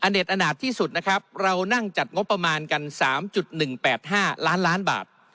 เด็ดอนาจที่สุดนะครับเรานั่งจัดงบประมาณกัน๓๑๘๕ล้านล้านบาท